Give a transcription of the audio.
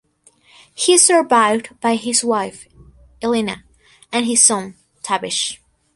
He is survived by his wife, Elena, and his son, Tavish.